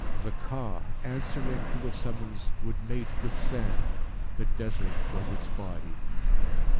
The Ka, answering to the summons, would mate with sand. The Desert was its Body.